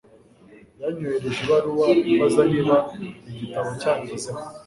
yanyoherereje ibaruwa imbaza niba igitabo cyangezeho